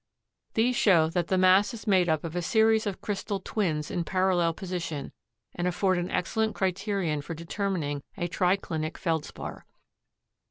These show that the mass is made up of a series of crystal twins in parallel position and afford an excellent criterion for determining a triclinic Feldspar.